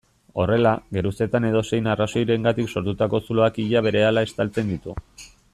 Horrela, geruzetan edozein arrazoirengatik sortutako zuloak ia berehala estaltzen ditu.